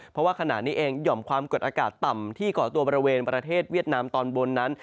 เพราะว่าขณะนี้เองหย่อมความกดอากาศต่ำที่ก่อตัวบริเวณประเทศเวียดนามตอนบนนั้น